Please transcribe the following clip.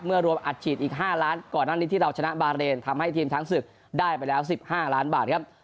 รวมอัดฉีดอีก๕ล้านก่อนหน้านี้ที่เราชนะบาเรนทำให้ทีมช้างศึกได้ไปแล้ว๑๕ล้านบาทครับ